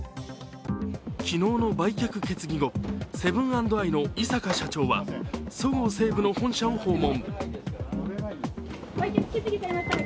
昨日の売却決議後、セブン＆アイの井阪社長はそごう・西武の本社を訪問。